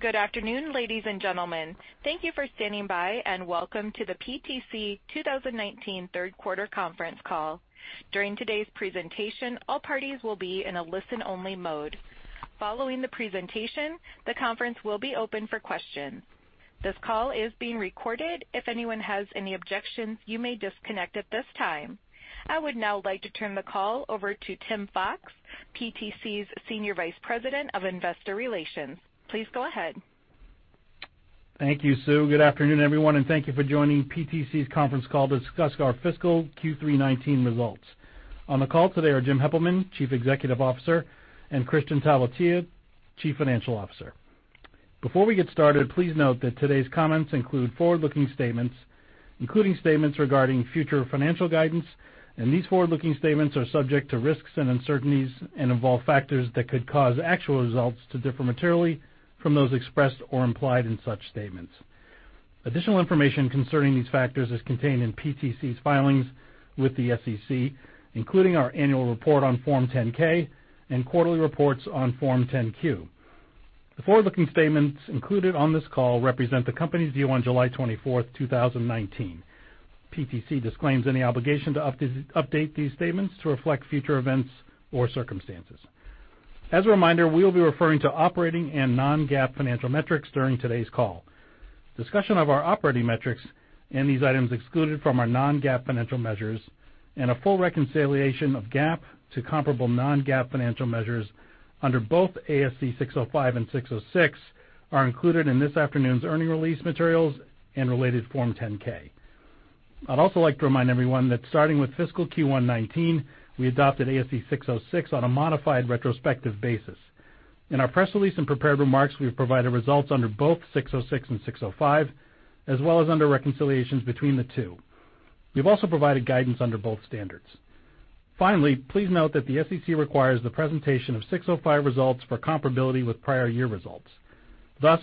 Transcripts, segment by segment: Good afternoon, ladies and gentlemen. Thank you for standing by, and welcome to the PTC 2019 third quarter conference call. During today's presentation, all parties will be in a listen-only mode. Following the presentation, the conference will be open for questions. This call is being recorded. If anyone has any objections, you may disconnect at this time. I would now like to turn the call over to Tim Fox, PTC's Senior Vice President of Investor Relations. Please go ahead. Thank you, Sue. Good afternoon, everyone, thank you for joining PTC's conference call to discuss our fiscal Q3 2019 results. On the call today are Jim Heppelmann, Chief Executive Officer, and Kristian Talvitie, Chief Financial Officer. Before we get started, please note that today's comments include forward-looking statements, including statements regarding future financial guidance, these forward-looking statements are subject to risks and uncertainties and involve factors that could cause actual results to differ materially from those expressed or implied in such statements. Additional information concerning these factors is contained in PTC's filings with the SEC, including our annual report on Form 10-K and quarterly reports on Form 10-Q. The forward-looking statements included on this call represent the company's view on July 24th, 2019. PTC disclaims any obligation to update these statements to reflect future events or circumstances. As a reminder, we'll be referring to operating and non-GAAP financial metrics during today's call. Discussion of our operating metrics and these items excluded from our non-GAAP financial measures, and a full reconciliation of GAAP to comparable non-GAAP financial measures under both ASC 605 and 606 are included in this afternoon's earning release materials and related Form 10-K. I'd also like to remind everyone that starting with fiscal Q1 2019, we adopted ASC 606 on a modified retrospective basis. In our press release and prepared remarks, we've provided results under both 606 and 605, as well as under reconciliations between the two. We've also provided guidance under both standards. Please note that the SEC requires the presentation of 605 results for comparability with prior year results.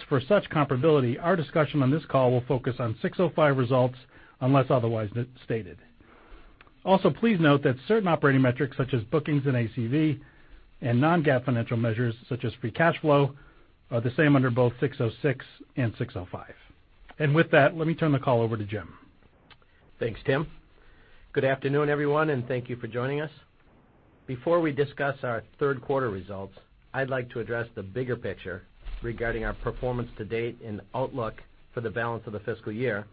For such comparability, our discussion on this call will focus on 605 results, unless otherwise stated. Please note that certain operating metrics, such as bookings and ACV, and non-GAAP financial measures, such as free cash flow, are the same under both 606 and 605. With that, let me turn the call over to Jim. Thanks, Tim. Good afternoon, everyone, and thank you for joining us. Before we discuss our third quarter results, I'd like to address the bigger picture regarding our performance to date and outlook for the balance of the fiscal year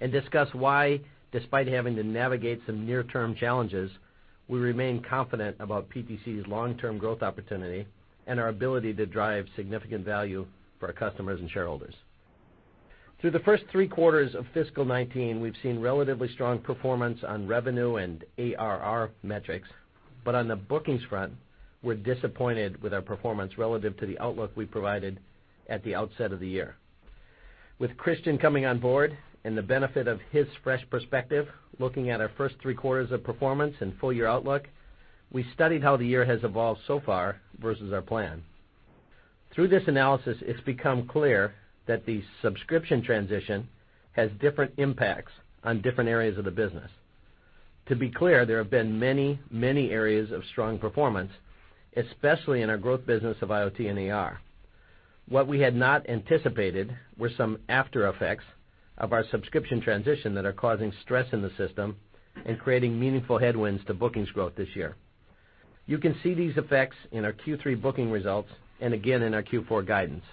and discuss why, despite having to navigate some near-term challenges, we remain confident about PTC's long-term growth opportunity and our ability to drive significant value for our customers and shareholders. Through the first three quarters of fiscal 2019, we've seen relatively strong performance on revenue and ARR metrics. On the bookings front, we're disappointed with our performance relative to the outlook we provided at the outset of the year. With Kristian coming on board and the benefit of his fresh perspective looking at our first three quarters of performance and full-year outlook, we studied how the year has evolved so far versus our plan. Through this analysis, it's become clear that the subscription transition has different impacts on different areas of the business. To be clear, there have been many areas of strong performance, especially in our growth business of IoT and AR. What we had not anticipated were some aftereffects of our subscription transition that are causing stress in the system and creating meaningful headwinds to bookings growth this year. You can see these effects in our Q3 booking results and again in our Q4 guidance.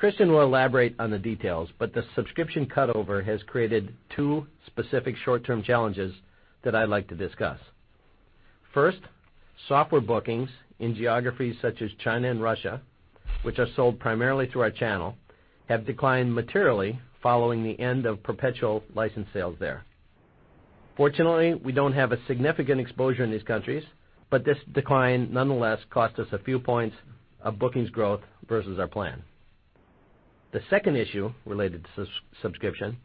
Kristian will elaborate on the details, the subscription cutover has created two specific short-term challenges that I'd like to discuss. First, software bookings in geographies such as China and Russia, which are sold primarily through our channel, have declined materially following the end of perpetual license sales there. Fortunately, we don't have a significant exposure in these countries, but this decline nonetheless cost us a few points of bookings growth versus our plan. The second issue related to subscription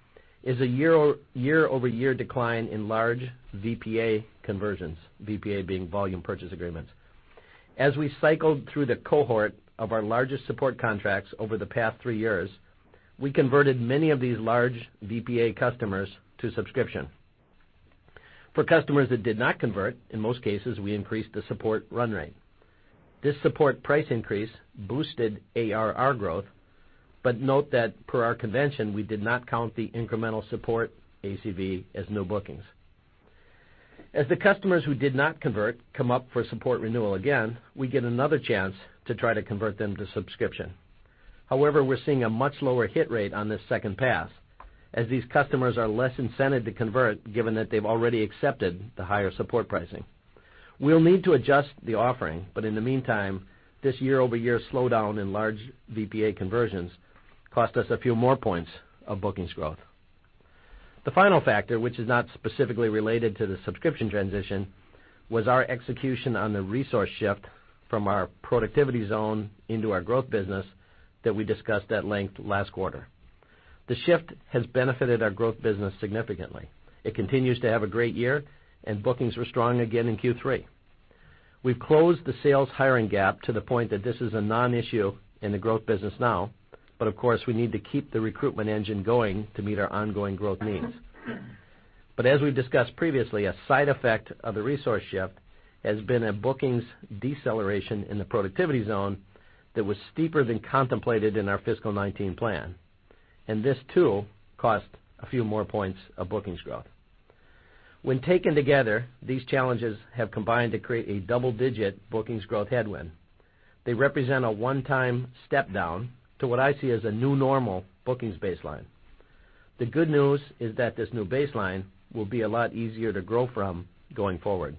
is a year-over-year decline in large VPA conversions, VPA being volume purchase agreements. As we cycled through the cohort of our largest support contracts over the past three years, we converted many of these large VPA customers to subscription. For customers that did not convert, in most cases, we increased the support run rate. This support price increase boosted ARR growth, but note that per our convention, we did not count the incremental support ACV as new bookings. As the customers who did not convert come up for support renewal again, we get another chance to try to convert them to subscription. However, we're seeing a much lower hit rate on this second pass, as these customers are less incented to convert given that they've already accepted the higher support pricing. We'll need to adjust the offering, but in the meantime, this year-over-year slowdown in large VPA conversions cost us a few more points of bookings growth. The final factor, which is not specifically related to the subscription transition, was our execution on the resource shift from our productivity zone into our growth business that we discussed at length last quarter. The shift has benefited our growth business significantly. It continues to have a great year, and bookings were strong again in Q3. We've closed the sales hiring gap to the point that this is a non-issue in the growth business now, but of course, we need to keep the recruitment engine going to meet our ongoing growth needs. As we've discussed previously, a side effect of the resource shift has been a bookings deceleration in the productivity zone that was steeper than contemplated in our fiscal 2019 plan, and this too cost a few more points of bookings growth. When taken together, these challenges have combined to create a double-digit bookings growth headwind. They represent a one-time step down to what I see as a new normal bookings baseline. The good news is that this new baseline will be a lot easier to grow from going forward.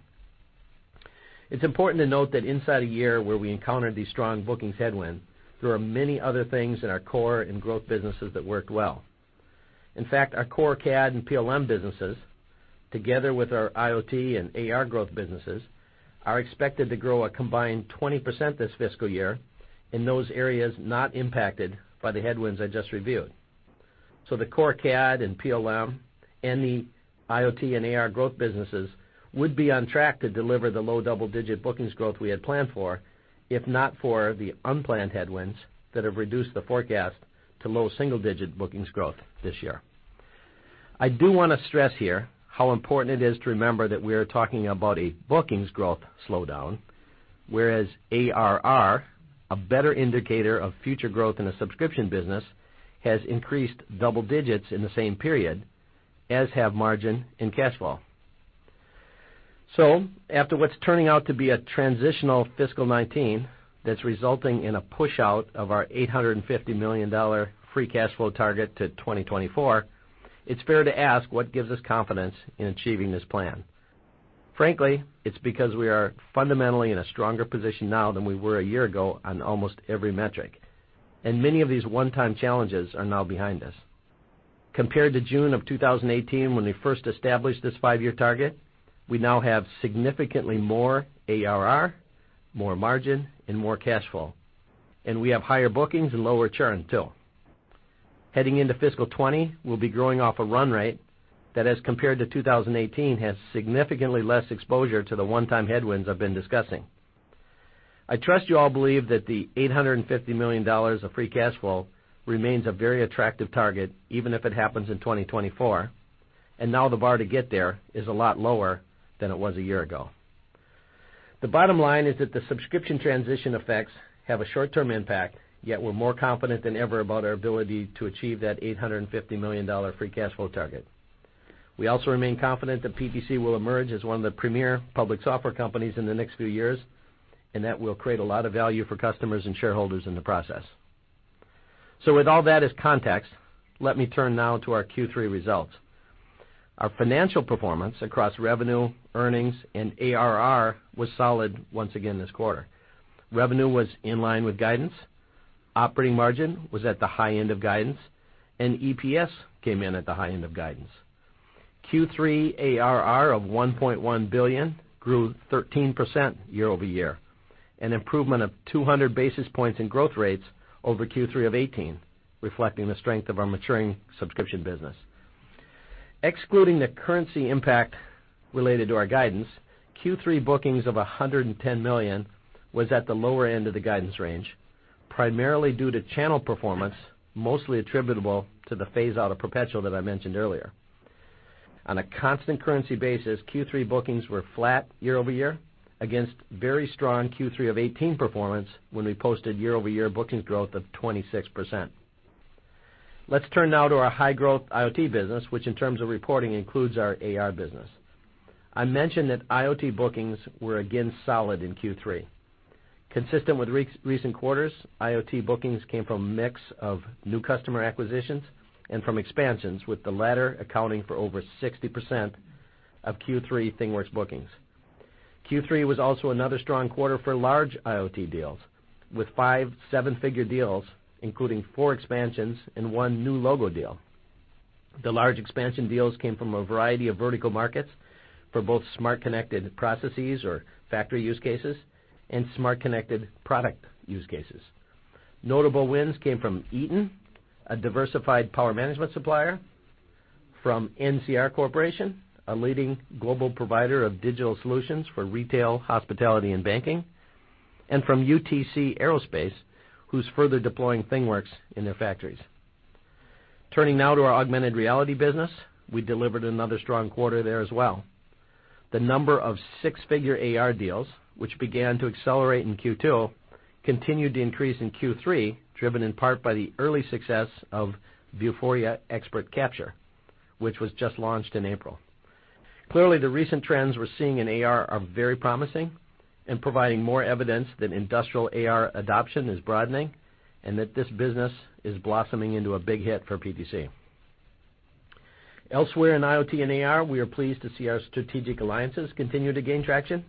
It's important to note that inside a year where we encountered the strong bookings headwind, there are many other things in our core and growth businesses that worked well. In fact, our core CAD and PLM businesses, together with our IoT and AR growth businesses, are expected to grow a combined 20% this fiscal year in those areas not impacted by the headwinds I just reviewed. The core CAD and PLM, and the IoT and AR growth businesses would be on track to deliver the low double-digit bookings growth we had planned for, if not for the unplanned headwinds that have reduced the forecast to low single-digit bookings growth this year. I do want to stress here how important it is to remember that we are talking about a bookings growth slowdown, whereas ARR, a better indicator of future growth in a subscription business, has increased double digits in the same period as have margin and cash flow. After what's turning out to be a transitional FY 2019 that's resulting in a push-out of our $850 million free cash flow target to 2024, it's fair to ask what gives us confidence in achieving this plan. Frankly, it's because we are fundamentally in a stronger position now than we were a year ago on almost every metric, and many of these one-time challenges are now behind us. Compared to June of 2018, when we first established this five-year target, we now have significantly more ARR, more margin, and more cash flow, and we have higher bookings and lower churn too. Heading into fiscal 2020, we'll be growing off a run rate that, as compared to 2018, has significantly less exposure to the one-time headwinds I've been discussing. I trust you all believe that the $850 million of free cash flow remains a very attractive target, even if it happens in 2024, and now the bar to get there is a lot lower than it was a year ago. The bottom line is that the subscription transition effects have a short-term impact, yet we're more confident than ever about our ability to achieve that $850 million free cash flow target. We also remain confident that PTC will emerge as one of the premier public software companies in the next few years, and that we'll create a lot of value for customers and shareholders in the process. With all that as context, let me turn now to our Q3 results. Our financial performance across revenue, earnings, and ARR was solid once again this quarter. Revenue was in line with guidance. Operating margin was at the high end of guidance. EPS came in at the high end of guidance. Q3 ARR of $1.1 billion grew 13% year-over-year, an improvement of 200 basis points in growth rates over Q3 of 2018, reflecting the strength of our maturing subscription business. Excluding the currency impact related to our guidance, Q3 bookings of $110 million was at the lower end of the guidance range, primarily due to channel performance, mostly attributable to the phase-out of perpetual that I mentioned earlier. On a constant currency basis, Q3 bookings were flat year-over-year against very strong Q3 of 2018 performance when we posted year-over-year bookings growth of 26%. Let's turn now to our high-growth IoT business, which in terms of reporting includes our AR business. I mentioned that IoT bookings were again solid in Q3. Consistent with recent quarters, IoT bookings came from a mix of new customer acquisitions and from expansions, with the latter accounting for over 60% of Q3 ThingWorx bookings. Q3 was also another strong quarter for large IoT deals, with five seven-figure deals, including four expansions and one new logo deal. The large expansion deals came from a variety of vertical markets for both smart connected processes or factory use cases and smart connected product use cases. Notable wins came from Eaton, a diversified power management supplier, from NCR Corporation, a leading global provider of digital solutions for retail, hospitality, and banking, and from UTC Aerospace, who's further deploying ThingWorx in their factories. Turning now to our Augmented Reality business. We delivered another strong quarter there as well. The number of six-figure AR deals, which began to accelerate in Q2, continued to increase in Q3, driven in part by the early success of Vuforia Expert Capture, which was just launched in April. Clearly, the recent trends we're seeing in AR are very promising and providing more evidence that industrial AR adoption is broadening and that this business is blossoming into a big hit for PTC. Elsewhere in IoT and AR, we are pleased to see our strategic alliances continue to gain traction.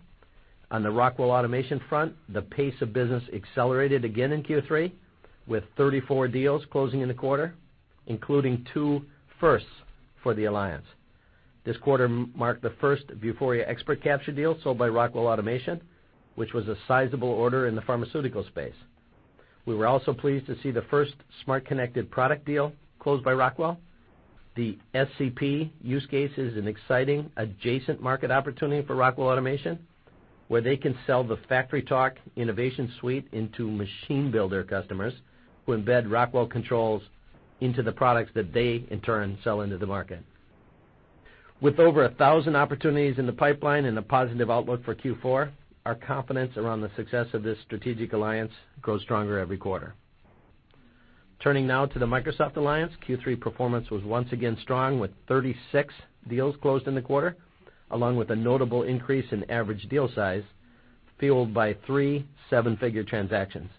On the Rockwell Automation front, the pace of business accelerated again in Q3 with 34 deals closing in the quarter, including two firsts for the alliance. This quarter marked the first Vuforia Expert Capture deal sold by Rockwell Automation, which was a sizable order in the pharmaceutical space. We were also pleased to see the first smart connected product deal closed by Rockwell. The SCP use case is an exciting adjacent market opportunity for Rockwell Automation. They can sell the FactoryTalk InnovationSuite into machine builder customers who embed Rockwell controls into the products that they, in turn, sell into the market. With over 1,000 opportunities in the pipeline and a positive outlook for Q4, our confidence around the success of this strategic alliance grows stronger every quarter. Turning now to the Microsoft alliance. Q3 performance was once again strong, with 36 deals closed in the quarter, along with a notable increase in average deal size, fueled by three seven-figure transactions.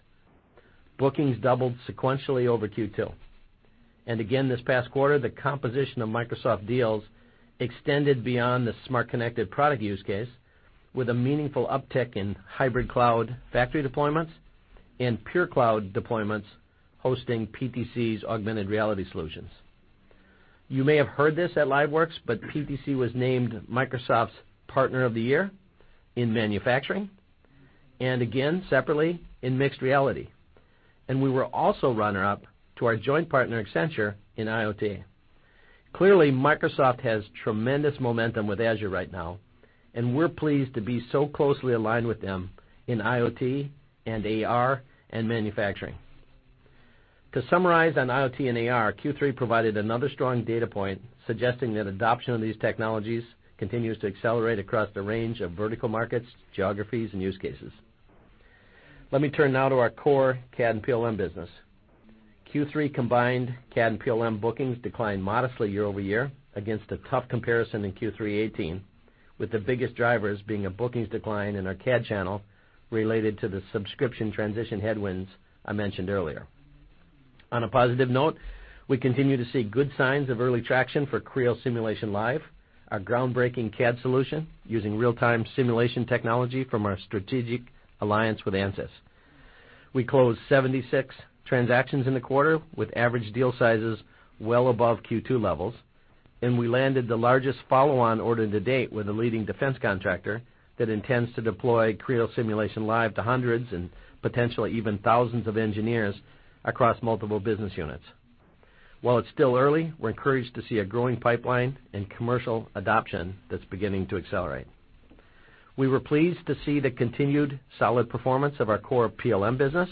Bookings doubled sequentially over Q2. Again, this past quarter, the composition of Microsoft deals extended beyond the smart connected product use case, with a meaningful uptick in hybrid cloud factory deployments and pure cloud deployments hosting PTC's augmented reality solutions. You may have heard this at LiveWorx, but PTC was named Microsoft's partner of the year in manufacturing, and again, separately, in mixed reality. We were also runner-up to our joint partner, Accenture, in IoT. Clearly, Microsoft has tremendous momentum with Azure right now, and we're pleased to be so closely aligned with them in IoT and AR and manufacturing. To summarize on IoT and AR, Q3 provided another strong data point suggesting that adoption of these technologies continues to accelerate across the range of vertical markets, geographies, and use cases. Let me turn now to our core CAD and PLM business. Q3 combined CAD and PLM bookings declined modestly year-over-year against a tough comparison in Q3 2018, with the biggest drivers being a bookings decline in our CAD channel related to the subscription transition headwinds I mentioned earlier. On a positive note, we continue to see good signs of early traction for Creo Simulation Live, our groundbreaking CAD solution using real-time simulation technology from our strategic alliance with Ansys. We closed 76 transactions in the quarter, with average deal sizes well above Q2 levels. We landed the largest follow-on order to date with a leading defense contractor that intends to deploy Creo Simulation Live to hundreds and potentially even thousands of engineers across multiple business units. While it's still early, we're encouraged to see a growing pipeline and commercial adoption that's beginning to accelerate. We were pleased to see the continued solid performance of our core PLM business,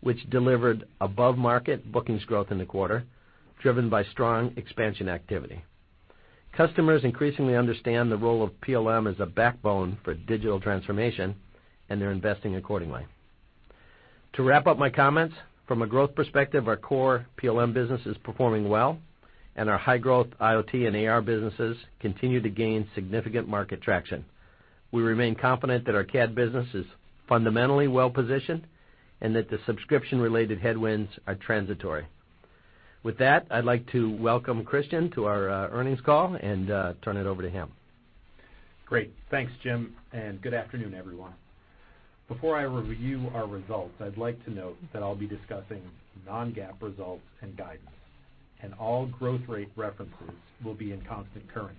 which delivered above-market bookings growth in the quarter, driven by strong expansion activity. Customers increasingly understand the role of PLM as a backbone for digital transformation, and they're investing accordingly. To wrap up my comments, from a growth perspective, our core PLM business is performing well, and our high-growth IoT and AR businesses continue to gain significant market traction. We remain confident that our CAD business is fundamentally well-positioned and that the subscription-related headwinds are transitory. With that, I'd like to welcome Kristian to our earnings call and turn it over to him. Great. Thanks, Jim. Good afternoon, everyone. Before I review our results, I'd like to note that I'll be discussing non-GAAP results and guidance. All growth rate references will be in constant currency.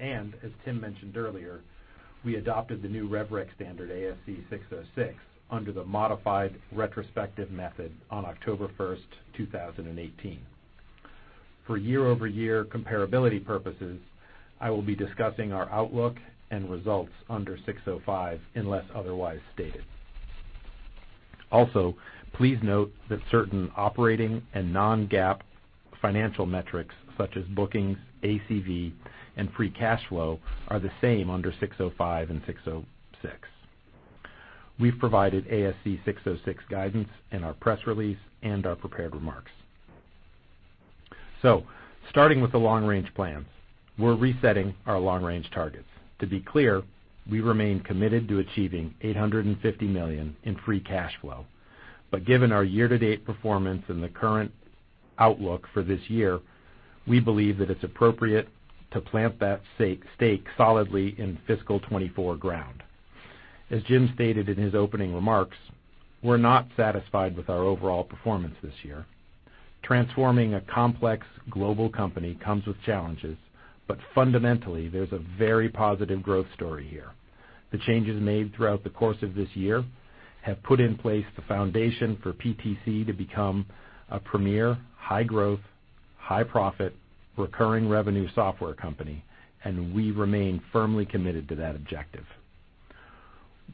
As Tim mentioned earlier, we adopted the new rev rec standard ASC 606 under the modified retrospective method on October 1st, 2018. For year-over-year comparability purposes, I will be discussing our outlook and results under 605 unless otherwise stated. Please note that certain operating and non-GAAP financial metrics such as bookings, ACV, and free cash flow are the same under 605 and 606. We've provided ASC 606 guidance in our press release and our prepared remarks. Starting with the Long-Range Plan. We're resetting our Long-Range targets. To be clear, we remain committed to achieving $850 million in free cash flow. Given our year-to-date performance and the current outlook for this year, we believe that it's appropriate to plant that stake solidly in fiscal 2024 ground. As Jim stated in his opening remarks, we're not satisfied with our overall performance this year. Transforming a complex global company comes with challenges, but fundamentally, there's a very positive growth story here. The changes made throughout the course of this year have put in place the foundation for PTC to become a premier, high-growth, high-profit, recurring revenue software company, and we remain firmly committed to that objective.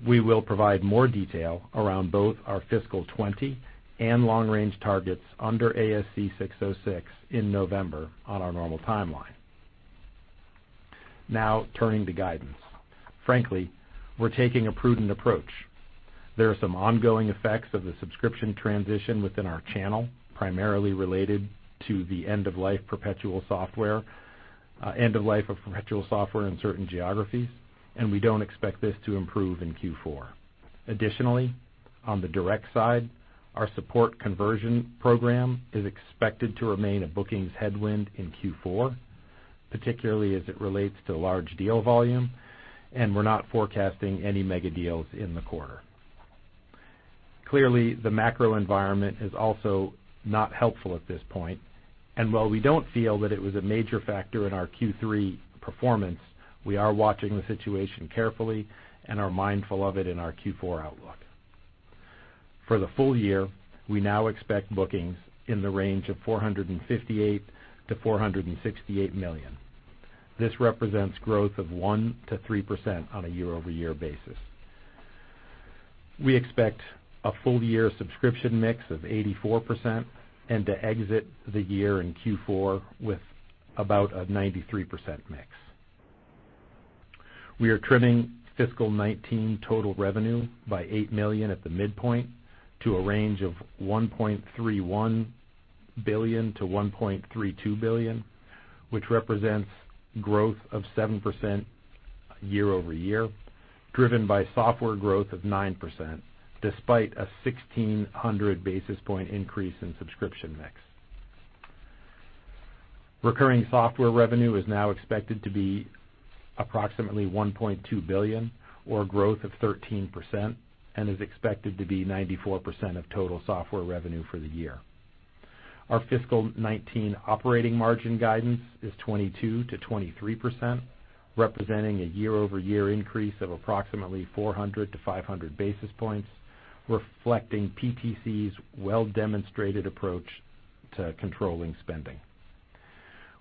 We will provide more detail around both our fiscal 2020 and long-range targets under ASC 606 in November on our normal timeline. Now, turning to guidance. Frankly, we're taking a prudent approach. There are some ongoing effects of the subscription transition within our channel, primarily related to the end of life of perpetual software in certain geographies, and we don't expect this to improve in Q4. Additionally, on the direct side, our support conversion program is expected to remain a bookings headwind in Q4, particularly as it relates to large deal volume, and we're not forecasting any mega deals in the quarter. Clearly, the macro environment is also not helpful at this point, and while we don't feel that it was a major factor in our Q3 performance, we are watching the situation carefully and are mindful of it in our Q4 outlook. For the full year, we now expect bookings in the range of $458 million-$468 million. This represents growth of 1%-3% on a year-over-year basis. We expect a full year subscription mix of 84% and to exit the year in Q4 with about a 93% mix. We are trimming fiscal 2019 total revenue by $8 million at the midpoint to a range of $1.31 billion-$1.32 billion, which represents growth of 7% year-over-year, driven by software growth of 9%, despite a 1,600 basis point increase in subscription mix. Recurring software revenue is now expected to be approximately $1.2 billion, or growth of 13%, and is expected to be 94% of total software revenue for the year. Our fiscal 2019 operating margin guidance is 22%-23%, representing a year-over-year increase of approximately 400-500 basis points, reflecting PTC's well-demonstrated approach to controlling spending.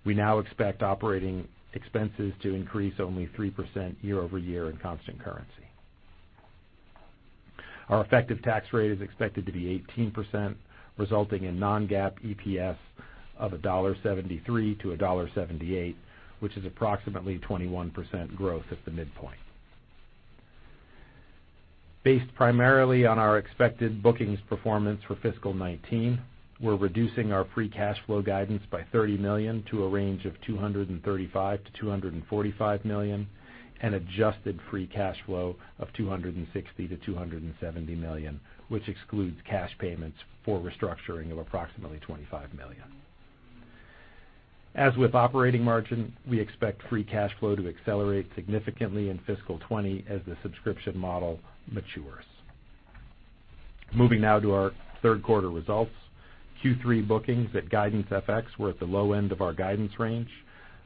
We now expect operating expenses to increase only 3% year-over-year in constant currency. Our effective tax rate is expected to be 18%, resulting in non-GAAP EPS of $1.73-$1.78, which is approximately 21% growth at the midpoint. Based primarily on our expected bookings performance for fiscal 2019, we're reducing our free cash flow guidance by $30 million to a range of $235 million-$245 million, and adjusted free cash flow of $260 million-$270 million, which excludes cash payments for restructuring of approximately $25 million. As with operating margin, we expect free cash flow to accelerate significantly in fiscal 2020 as the subscription model matures. Moving now to our third quarter results. Q3 bookings at guidance FX were at the low end of our guidance range,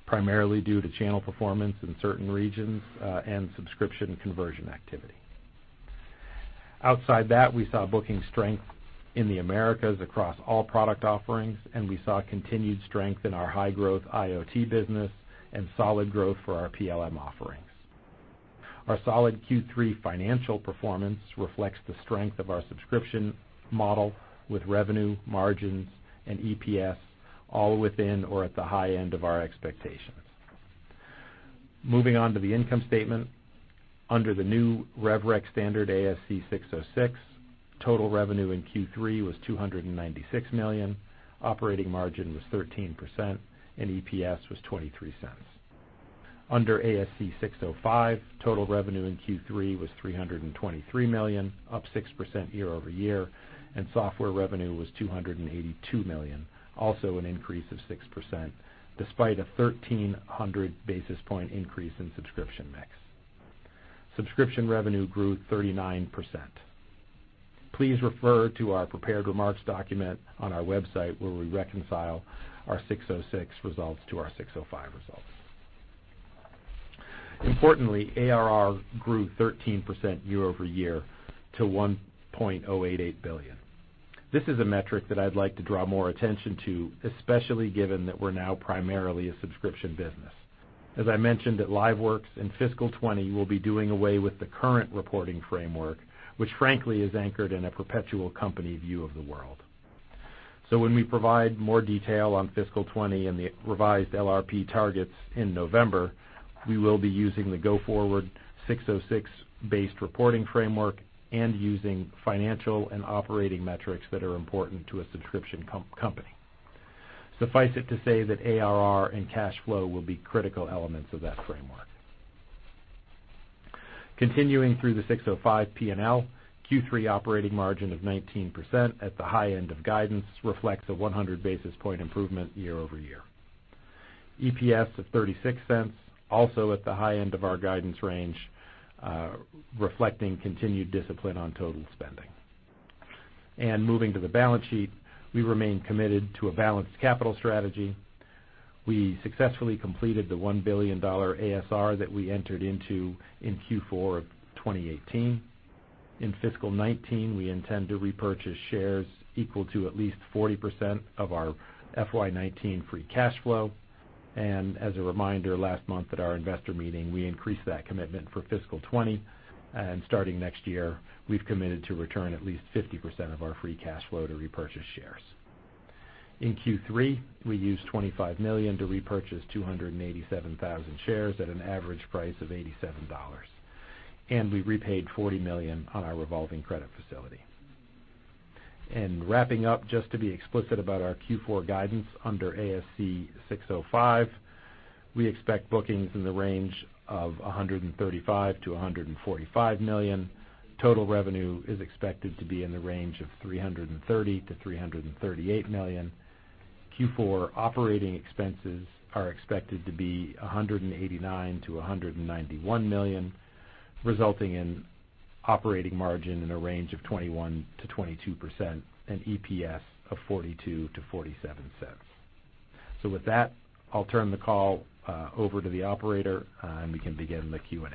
primarily due to channel performance in certain regions and subscription conversion activity. Outside that, we saw booking strength in the Americas across all product offerings, and we saw continued strength in our high-growth IoT business and solid growth for our PLM offerings. Our solid Q3 financial performance reflects the strength of our subscription model with revenue, margins, and EPS all within or at the high end of our expectations. Moving on to the income statement. Under the new rev rec standard ASC 606, total revenue in Q3 was $296 million, operating margin was 13%, and EPS was $0.23. Under ASC 605, total revenue in Q3 was $323 million, up 6% year-over-year, and software revenue was $282 million, also an increase of 6%, despite a 1,300 basis point increase in subscription mix. Subscription revenue grew 39%. Please refer to our prepared remarks document on our website, where we reconcile our 606 results to our 605 results. Importantly, ARR grew 13% year-over-year to $1.088 billion. This is a metric that I'd like to draw more attention to, especially given that we're now primarily a subscription business. As I mentioned at LiveWorx, in fiscal 2020, we'll be doing away with the current reporting framework, which frankly is anchored in a perpetual company view of the world. When we provide more detail on fiscal 2020 and the revised LRP targets in November, we will be using the go-forward 606-based reporting framework and using financial and operating metrics that are important to a subscription company. Suffice it to say that ARR and cash flow will be critical elements of that framework. Continuing through the 605 P&L, Q3 operating margin of 19% at the high end of guidance reflects a 100 basis point improvement year-over-year. EPS of $0.36, also at the high end of our guidance range, reflecting continued discipline on total spending. Moving to the balance sheet, we remain committed to a balanced capital strategy. We successfully completed the $1 billion ASR that we entered into in Q4 of 2018. In fiscal 2019, we intend to repurchase shares equal to at least 40% of our FY 2019 free cash flow. As a reminder, last month at our investor meeting, we increased that commitment for fiscal 2020, and starting next year, we've committed to return at least 50% of our free cash flow to repurchase shares. In Q3, we used $25 million to repurchase 287,000 shares at an average price of $87. We repaid $40 million on our revolving credit facility. Wrapping up, just to be explicit about our Q4 guidance under ASC 605, we expect bookings in the range of $135 million-$145 million. Total revenue is expected to be in the range of $330 million-$338 million. Q4 operating expenses are expected to be $189 million-$191 million, resulting in operating margin in a range of 21%-22%, and EPS of $0.42-$0.47. With that, I'll turn the call over to the operator, and we can begin the Q&A.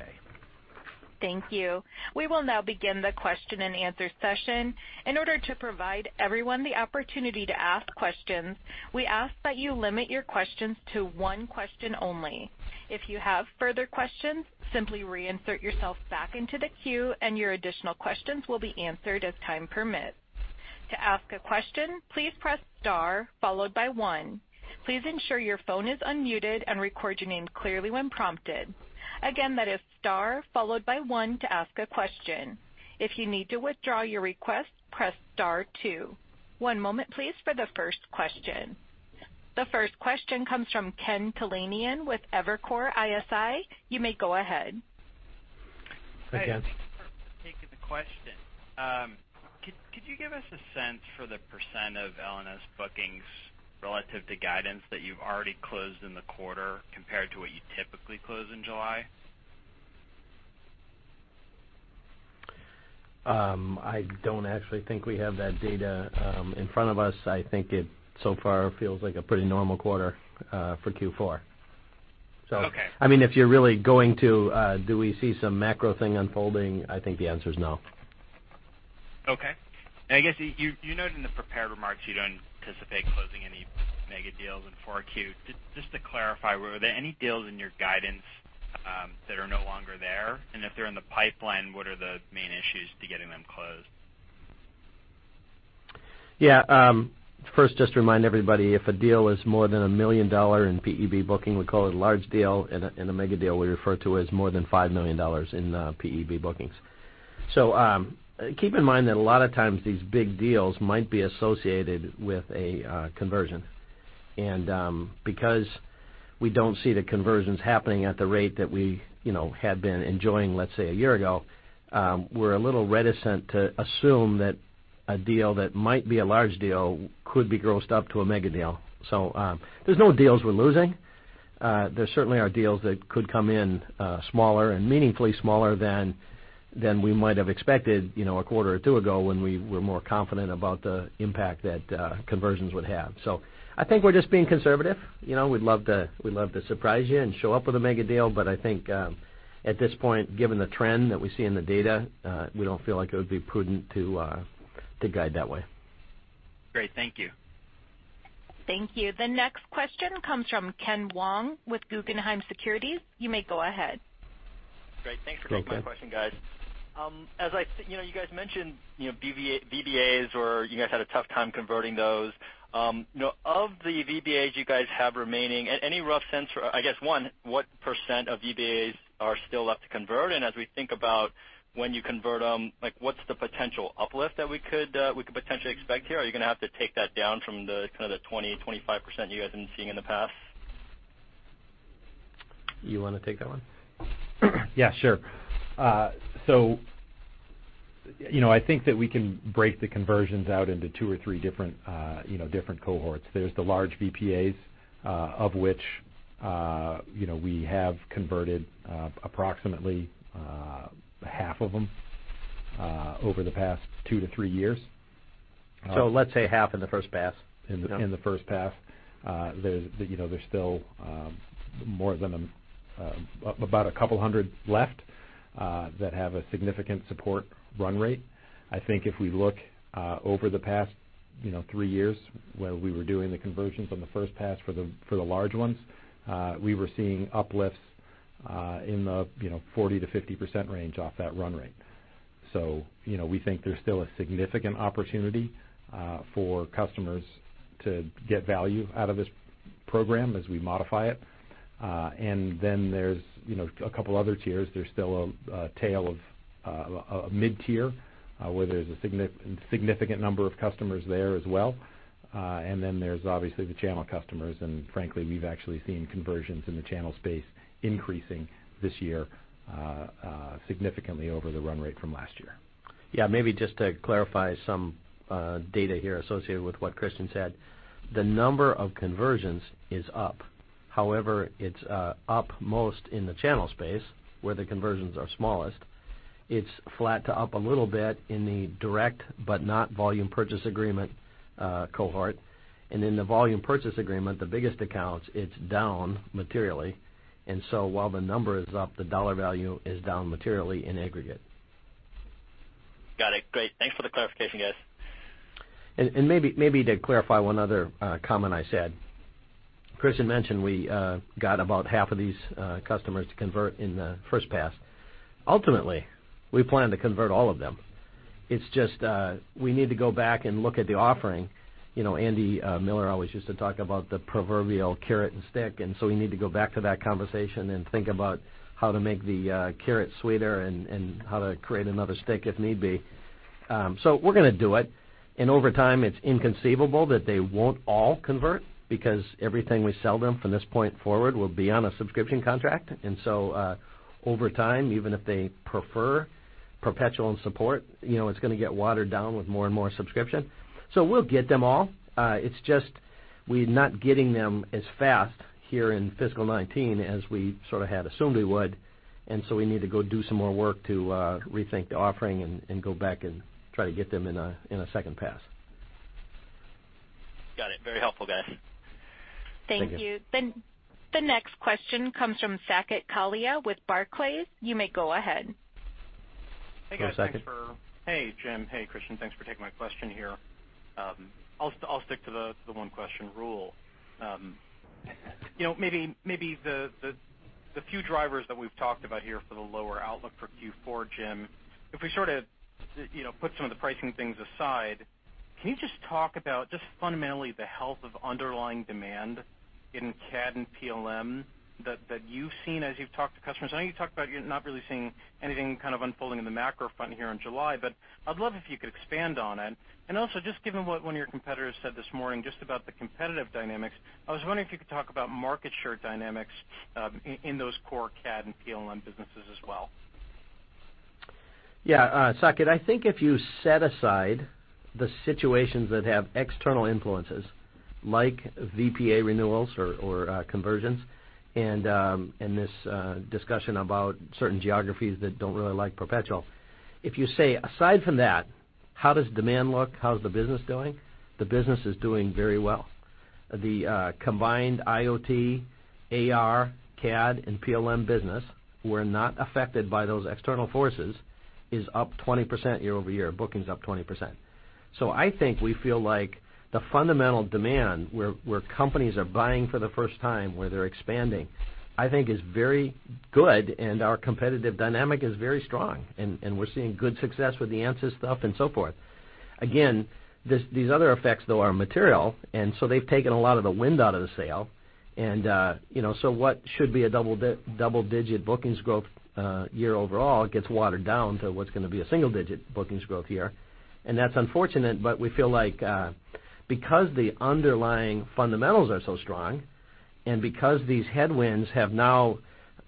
Thank you. We will now begin the question and answer session. In order to provide everyone the opportunity to ask questions, we ask that you limit your questions to one question only. If you have further questions, simply reinsert yourself back into the queue and your additional questions will be answered as time permits. To ask a question, please press star followed by one. Please ensure your phone is unmuted and record your name clearly when prompted. Again, that is star followed by one to ask a question. If you need to withdraw your request, press star two. One moment please for the first question. The first question comes from Ken Talanian with Evercore ISI. You may go ahead. Hi, Ken. Hi. Thanks for taking the question. Could you give us a sense for the percent of L&S bookings relative to guidance that you've already closed in the quarter compared to what you typically close in July? I don't actually think we have that data in front of us. I think it so far feels like a pretty normal quarter for Q4. Okay. If you're really going to, do we see some macro thing unfolding? I think the answer is no. Okay. I guess you noted in the prepared remarks you don't anticipate closing any mega deals in 4Q. Just to clarify, were there any deals in your guidance that are no longer there? If they're in the pipeline, what are the main issues to getting them closed? First, just to remind everybody, if a deal is more than $1 million in PEB booking, we call it a large deal, and a mega deal we refer to as more than $5 million in PEB bookings. Keep in mind that a lot of times these big deals might be associated with a conversion. Because we don't see the conversions happening at the rate that we had been enjoying, let's say, a year ago, we're a little reticent to assume that a deal that might be a large deal could be grossed up to a mega deal. There's no deals we're losing. There certainly are deals that could come in smaller and meaningfully smaller than we might have expected a quarter or two ago when we were more confident about the impact that conversions would have. I think we're just being conservative. We'd love to surprise you and show up with a mega deal, but I think, at this point, given the trend that we see in the data, we don't feel like it would be prudent to guide that way. Great. Thank you. Thank you. The next question comes from Ken Wong with Guggenheim Securities. You may go ahead. Hey, Ken. Great. Thanks for taking my question, guys. You guys mentioned VPAs or you guys had a tough time converting those. Of the VPAs you guys have remaining, I guess one, what percent of VPAs are still left to convert? As we think about when you convert them, what's the potential uplift that we could potentially expect here? Are you going to have to take that down from the kind of the 20%-25% you guys have been seeing in the past? You want to take that one? Yeah, sure. I think that we can break the conversions out into two or three different cohorts. There's the large VPAs, of which we have converted approximately half of them over the past two to three years. Let's say half in the first pass. In the first pass. There's still more than about a couple hundred left that have a significant support run rate. I think if we look over the past three years where we were doing the conversions on the first pass for the large ones, we were seeing uplifts in the 40%-50% range off that run rate. We think there's still a significant opportunity for customers to get value out of this program as we modify it. There's a couple other tiers. There's still a tail of a mid-tier, where there's a significant number of customers there as well. There's obviously the channel customers, and frankly, we've actually seen conversions in the channel space increasing this year significantly over the run rate from last year. Yeah, maybe just to clarify some data here associated with what Kristian said. The number of conversions is up. However, it's up most in the channel space, where the conversions are smallest. It's flat to up a little bit in the direct, but not Volume Purchase Agreement cohort. In the Volume Purchase Agreement, the biggest accounts, it's down materially. While the number is up, the dollar value is down materially in aggregate. Got it. Great. Thanks for the clarification, guys. Maybe to clarify one other comment I said. Kristian mentioned we got about half of these customers to convert in the first pass. Ultimately, we plan to convert all of them. It's just, we need to go back and look at the offering. Andy Miller always used to talk about the proverbial carrot and stick, we need to go back to that conversation and think about how to make the carrot sweeter and how to create another stick if need be. We're going to do it. Over time, it's inconceivable that they won't all convert because everything we sell them from this point forward will be on a subscription contract. Over time, even if they prefer perpetual and support, it's going to get watered down with more and more subscription. We'll get them all. It's just we're not getting them as fast here in fiscal 2019 as we sort of had assumed we would. We need to go do some more work to rethink the offering and go back and try to get them in a second pass. Got it. Very helpful, guys. Thank you. Thank you. The next question comes from Saket Kalia with Barclays. You may go ahead. Hello, Saket. Hey, guys. Hey, Jim. Hey, Kristian. Thanks for taking my question here. I'll stick to the one-question rule. Maybe the few drivers that we've talked about here for the lower outlook for Q4, Jim, if we put some of the pricing things aside, can you just talk about just fundamentally the health of underlying demand in CAD and PLM that you've seen as you've talked to customers? I know you talked about you're not really seeing anything kind of unfolding in the macro front here in July, but I'd love if you could expand on it. Also, just given what one of your competitors said this morning, just about the competitive dynamics, I was wondering if you could talk about market share dynamics in those core CAD and PLM businesses as well. Yeah. Saket, I think if you set aside the situations that have external influences like VPA renewals or conversions, and this discussion about certain geographies that don't really like perpetual. If you say, aside from that, how does demand look? How's the business doing? The business is doing very well. The combined IoT, AR, CAD, and PLM business were not affected by those external forces, is up 20% year-over-year. Bookings up 20%. I think we feel like the fundamental demand where companies are buying for the first time, where they're expanding, I think is very good and our competitive dynamic is very strong, and we're seeing good success with the Ansys stuff and so forth. Again, these other effects, though, are material, and so they've taken a lot of the wind out of the sail. What should be a double-digit bookings growth year overall gets watered down to what's going to be a single-digit bookings growth year. That's unfortunate, but we feel like because the underlying fundamentals are so strong and because these headwinds have now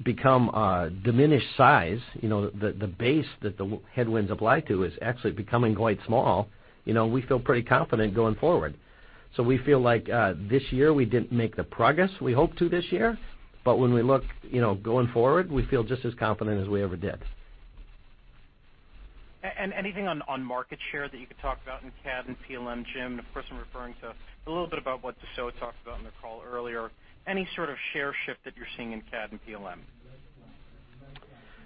become a diminished size, the base that the headwinds apply to is actually becoming quite small. We feel pretty confident going forward. We feel like this year we didn't make the progress we hoped to this year, but when we look going forward, we feel just as confident as we ever did. Anything on market share that you could talk about in CAD and PLM, Jim? Of course, I'm referring to a little bit about what Dassault talked about on their call earlier. Any sort of share shift that you're seeing in CAD and PLM?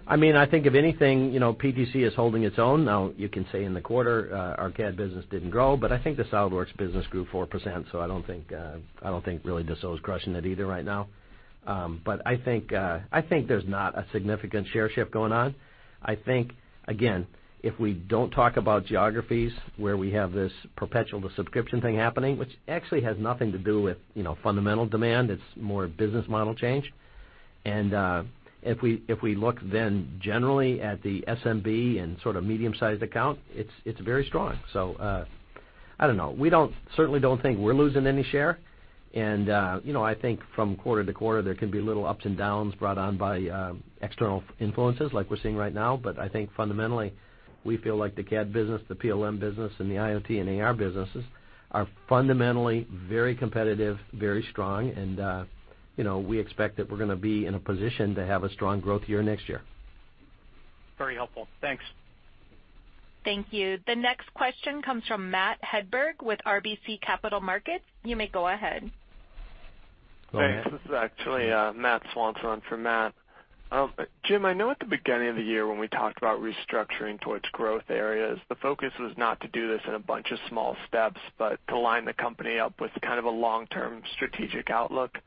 I think if anything, PTC is holding its own. Now, you can say in the quarter our CAD business didn't grow, but I think the SolidWorks business grew 4%, so I don't think really Dassault is crushing it either right now. I think there's not a significant share shift going on. I think, again, if we don't talk about geographies where we have this perpetual to subscription thing happening, which actually has nothing to do with fundamental demand, it's more a business model change. If we look then generally at the SMB and sort of medium-sized account, it's very strong. I don't know. We certainly don't think we're losing any share. I think from quarter to quarter, there can be little ups and downs brought on by external influences like we're seeing right now. I think fundamentally, we feel like the CAD business, the PLM business, and the IoT and AR businesses are fundamentally very competitive, very strong, and we expect that we're going to be in a position to have a strong growth year next year. Very helpful. Thanks. Thank you. The next question comes from Matt Hedberg with RBC Capital Markets. You may go ahead. Go ahead. Thanks. This is actually Matt Swanson for Matt. Jim, I know at the beginning of the year when we talked about restructuring towards growth areas, the focus was not to do this in a bunch of small steps, but to line the company up with kind of a long-term strategic outlook.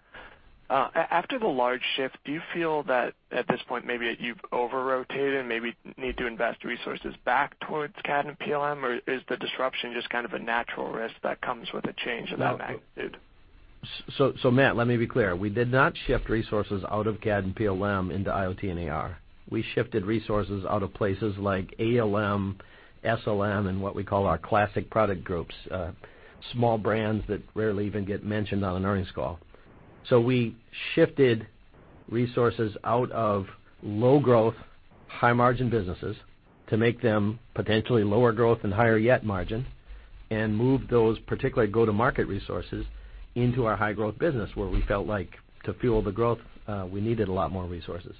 After the large shift, do you feel that at this point, maybe you've over-rotated and maybe need to invest resources back towards CAD and PLM? Or is the disruption just kind of a natural risk that comes with a change of that magnitude? Matt, let me be clear. We did not shift resources out of CAD and PLM into IoT and AR. We shifted resources out of places like ALM, SLM, and what we call our classic product groups, small brands that rarely even get mentioned on an earnings call. We shifted resources out of low-growth, high-margin businesses to make them potentially lower growth and higher yet margin, and moved those particularly go-to-market resources into our high-growth business, where we felt like to fuel the growth, we needed a lot more resources.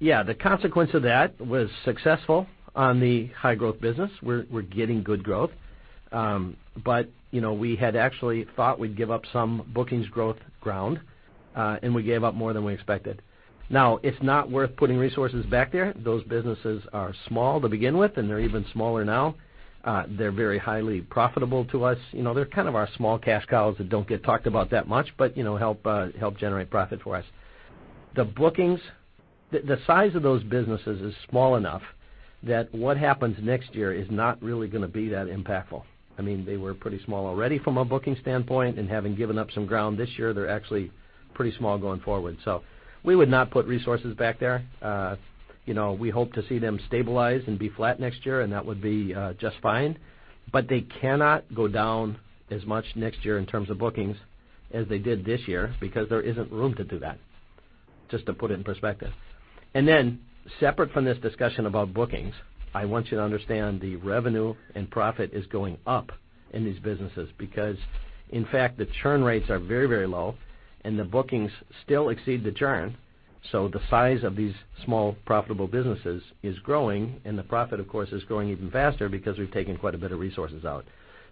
Yeah, the consequence of that was successful on the high-growth business. We're getting good growth. We had actually thought we'd give up some bookings growth ground, and we gave up more than we expected. Now, it's not worth putting resources back there. Those businesses are small to begin with, and they're even smaller now. They're very highly profitable to us. They're kind of our small cash cows that don't get talked about that much, but help generate profit for us. The size of those businesses is small enough that what happens next year is not really going to be that impactful. They were pretty small already from a booking standpoint, and having given up some ground this year, they're actually pretty small going forward. We would not put resources back there. We hope to see them stabilize and be flat next year, and that would be just fine. They cannot go down as much next year in terms of bookings as they did this year because there isn't room to do that, just to put it in perspective. Separate from this discussion about bookings, I want you to understand the revenue and profit is going up in these businesses because, in fact, the churn rates are very low and the bookings still exceed the churn. The size of these small, profitable businesses is growing, and the profit, of course, is growing even faster because we've taken quite a bit of resources out.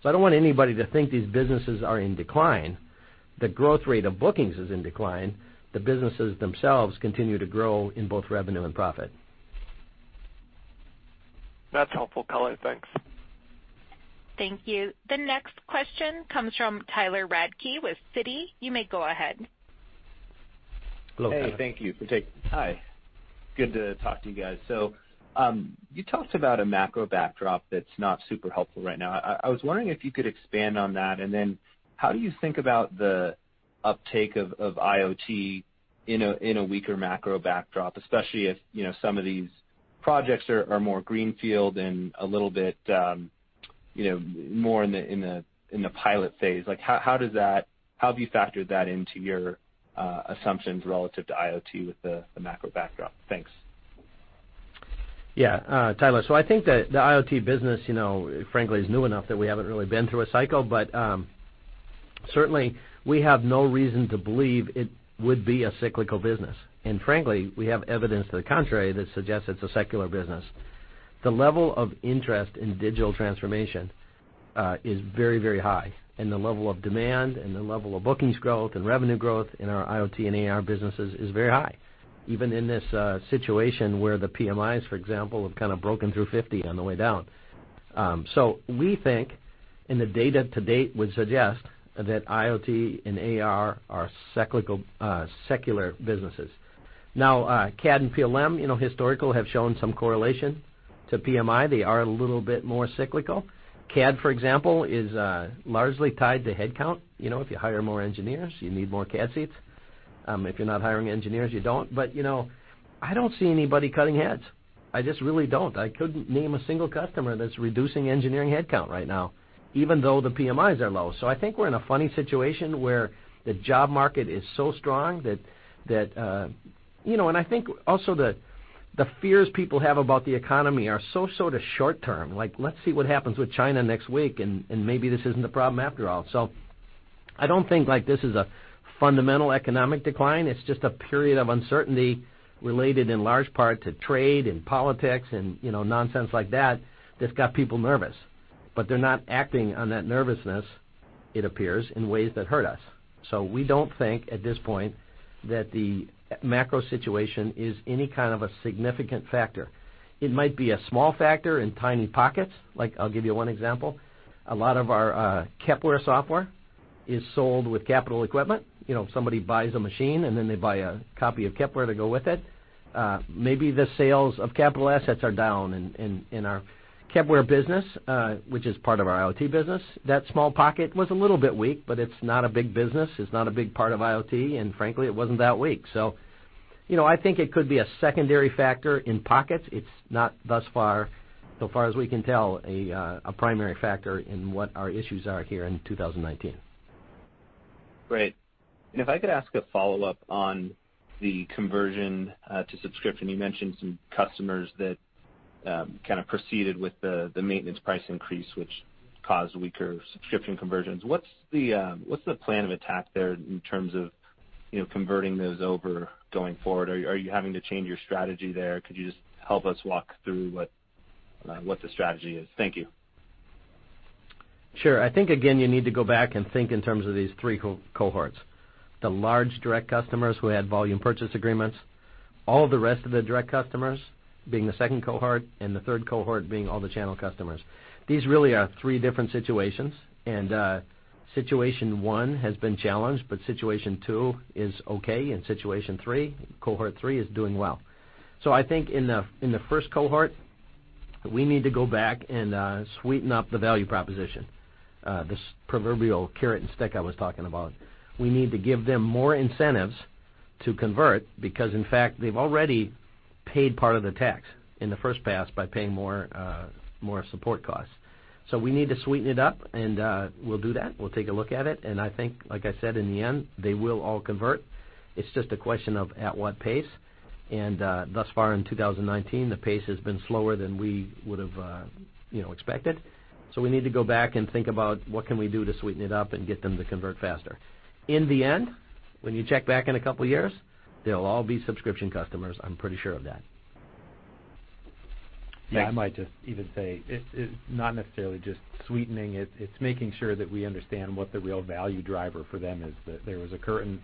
I don't want anybody to think these businesses are in decline. The growth rate of bookings is in decline. The businesses themselves continue to grow in both revenue and profit. That's helpful color. Thanks. Thank you. The next question comes from Tyler Radke with Citi. You may go ahead. Hello, Tyler. Hey, thank you. Hi. Good to talk to you guys. You talked about a macro backdrop that's not super helpful right now. I was wondering if you could expand on that, and then how do you think about the uptake of IoT in a weaker macro backdrop, especially if some of these projects are more greenfield and a little bit more in the pilot phase. How have you factored that into your assumptions relative to IoT with the macro backdrop? Thanks. Tyler, I think that the IoT business, frankly, is new enough that we haven't really been through a cycle. Certainly, we have no reason to believe it would be a cyclical business. Frankly, we have evidence to the contrary that suggests it's a secular business. The level of interest in digital transformation is very, very high. The level of demand and the level of bookings growth and revenue growth in our IoT and AR businesses is very high, even in this situation where the PMIs, for example, have kind of broken through 50 on the way down. We think, and the data to date would suggest, that IoT and AR are secular businesses. CAD and PLM, historical, have shown some correlation to PMI. They are a little bit more cyclical. CAD, for example, is largely tied to headcount. If you hire more engineers, you need more CAD seats. If you're not hiring engineers, you don't. I don't see anybody cutting heads. I just really don't. I couldn't name a single customer that's reducing engineering headcount right now, even though the PMIs are low. I think we're in a funny situation where the job market is so strong. I think also the fears people have about the economy are so sort of short-term, like let's see what happens with China next week, and maybe this isn't a problem after all. I don't think this is a fundamental economic decline. It's just a period of uncertainty related in large part to trade and politics and nonsense like that's got people nervous. They're not acting on that nervousness, it appears, in ways that hurt us. We don't think, at this point, that the macro situation is any kind of a significant factor. It might be a small factor in tiny pockets. I'll give you one example. A lot of our Kepware software is sold with capital equipment. Somebody buys a machine, they buy a copy of Kepware to go with it. Maybe the sales of capital assets are down in our Kepware business, which is part of our IoT business. That small pocket was a little bit weak, it's not a big business. It's not a big part of IoT, frankly, it wasn't that weak. I think it could be a secondary factor in pockets. It's not, thus far, so far as we can tell, a primary factor in what our issues are here in 2019. Great. If I could ask a follow-up on the conversion to subscription. You mentioned some customers that kind of proceeded with the maintenance price increase, which caused weaker subscription conversions. What's the plan of attack there in terms of converting those over going forward? Are you having to change your strategy there? Could you just help us walk through what the strategy is? Thank you. Sure. I think, again, you need to go back and think in terms of these three cohorts. The large direct customers who had Volume Purchase Agreements, all the rest of the direct customers being the second cohort, and the third cohort being all the channel customers. These really are three different situations, and situation one has been challenged, but situation two is okay, and situation three, cohort three, is doing well. I think in the first cohort, we need to go back and sweeten up the value proposition, this proverbial carrot and stick I was talking about. We need to give them more incentives to convert because, in fact, they've already paid part of the tax in the first pass by paying more support costs. We need to sweeten it up, and we'll do that. We'll take a look at it. I think, like I said, in the end, they will all convert. It's just a question of at what pace. Thus far in 2019, the pace has been slower than we would've expected. We need to go back and think about what can we do to sweeten it up and get them to convert faster. In the end, when you check back in a couple of years, they'll all be subscription customers. I'm pretty sure of that. Yeah. I might just even say it's not necessarily just sweetening it's making sure that we understand what the real value driver for them is. That there was a current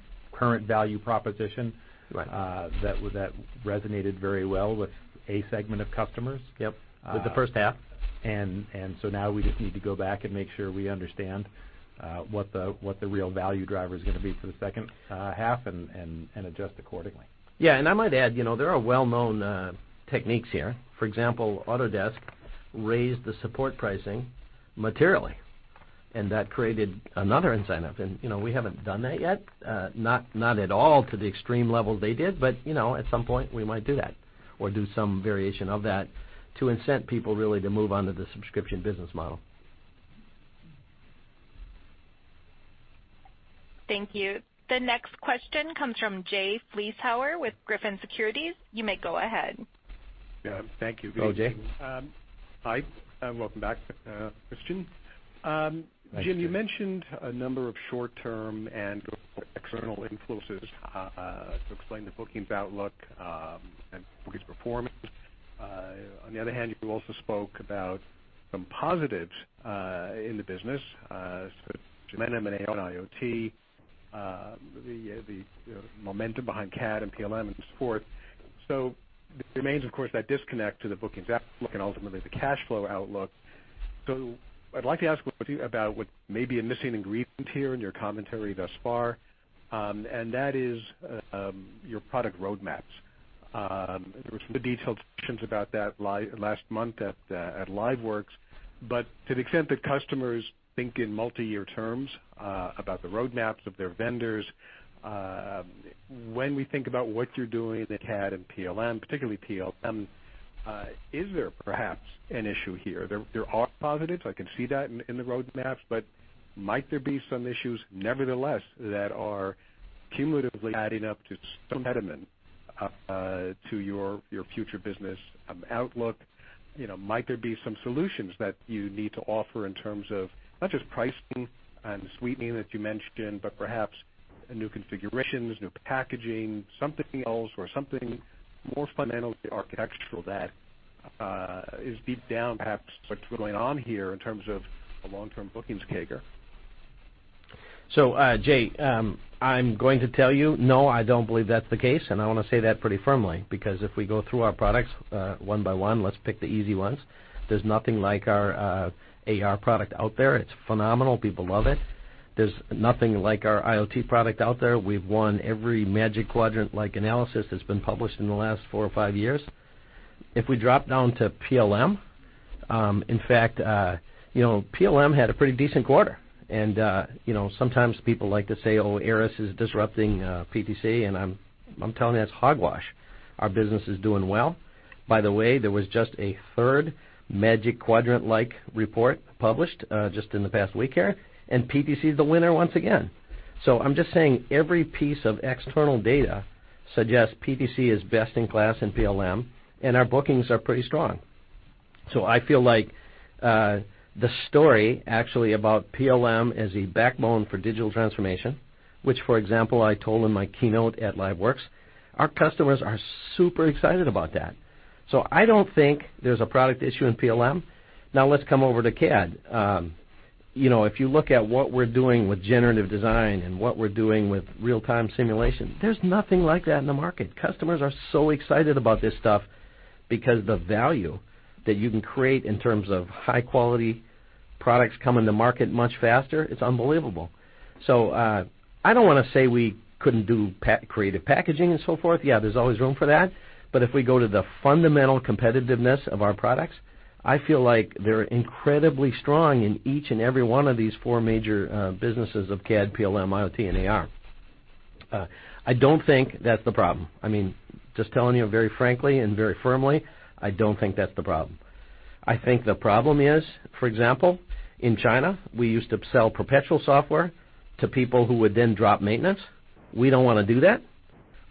value proposition... Right -that resonated very well with a segment of customers. Yep. With the first half. Now we just need to go back and make sure we understand what the real value driver is going to be for the second half and adjust accordingly. Yeah. I might add, there are well-known techniques here. For example, Autodesk raised the support pricing materially, and that created another incentive. We haven't done that yet. Not at all to the extreme level they did, but at some point, we might do that or do some variation of that to incent people really to move on to the subscription business model. Thank you. The next question comes from Jay Vleeschhouwer with Griffin Securities. You may go ahead. Yeah. Thank you. Good evening. Go, Jay. Hi, and welcome back, Kristian. Thank you. Jim, you mentioned a number of short-term and external influences to explain the bookings outlook and bookings performance. You also spoke about some positives in the business, such as momentum in IoT, the momentum behind CAD and PLM and so forth. There remains, of course, that disconnect to the bookings outlook and ultimately the cash flow outlook. I'd like to ask both of you about what may be a missing ingredient here in your commentary thus far, and that is your product roadmaps. There were some detailed questions about that last month at LiveWorx, but to the extent that customers think in multi-year terms about the roadmaps of their vendors, when we think about what you're doing with CAD and PLM, particularly PLM, is there perhaps an issue here? There are positives. I can see that in the roadmaps, but might there be some issues nevertheless, that are cumulatively adding up to some detriment to your future business outlook? Might there be some solutions that you need to offer in terms of not just pricing and sweetening that you mentioned, but perhaps new configurations, new packaging, something else, or something more fundamentally architectural that is deep down, perhaps what's going on here in terms of the long-term bookings CAGR? Jay, I'm going to tell you, no, I don't believe that's the case, and I want to say that pretty firmly, because if we go through our products one by one, let's pick the easy ones. There's nothing like our AR product out there. It's phenomenal. People love it. There's nothing like our IoT product out there. We've won every Magic Quadrant-like analysis that's been published in the last four or five years. If we drop down to PLM, in fact PLM had a pretty decent quarter. Sometimes people like to say, "Oh, Aras is disrupting PTC," and I'm telling you, that's hogwash. Our business is doing well. By the way, there was just a third Magic Quadrant-like report published just in the past week here, and PTC is the winner once again. I'm just saying every piece of external data suggests PTC is best in class in PLM, and our bookings are pretty strong. I feel like the story actually about PLM as a backbone for digital transformation, which, for example, I told in my keynote at LiveWorx, our customers are super excited about that. I don't think there's a product issue in PLM. Let's come over to CAD. If you look at what we're doing with generative design and what we're doing with real-time simulation, there's nothing like that in the market. Customers are so excited about this stuff because the value that you can create in terms of high-quality products coming to market much faster, it's unbelievable. I don't want to say we couldn't do creative packaging and so forth. Yeah, there's always room for that. If we go to the fundamental competitiveness of our products, I feel like they're incredibly strong in each and every one of these four major businesses of CAD, PLM, IoT, and AR. I don't think that's the problem. Just telling you very frankly and very firmly, I don't think that's the problem. I think the problem is, for example, in China, we used to sell perpetual software to people who would then drop maintenance. We don't want to do that.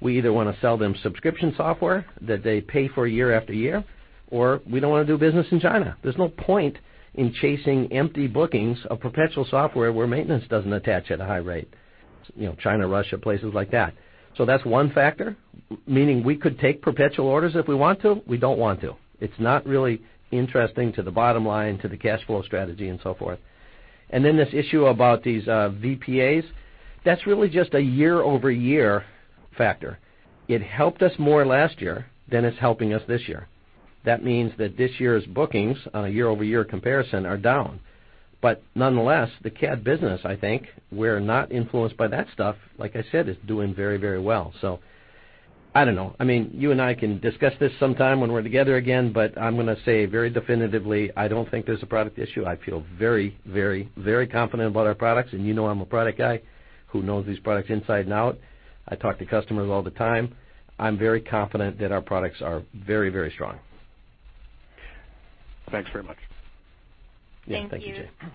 We either want to sell them subscription software that they pay for year after year, or we don't want to do business in China. There's no point in chasing empty bookings of perpetual software where maintenance doesn't attach at a high rate. China, Russia, places like that. That's one factor, meaning we could take perpetual orders if we want to. We don't want to. It's not really interesting to the bottom line, to the cash flow strategy and so forth. This issue about these VPAs, that's really just a year-over-year factor. It helped us more last year than it's helping us this year. That means that this year's bookings, year-over-year comparison, are down. Nonetheless, the CAD business, I think, we're not influenced by that stuff. Like I said, it's doing very well. I don't know. I mean, you and I can discuss this sometime when we're together again, but I'm going to say very definitively, I don't think there's a product issue. I feel very confident about our products, and you know I'm a product guy who knows these products inside and out. I talk to customers all the time. I'm very confident that our products are very strong. Thanks very much. Yeah. Thank you, Jay. Thank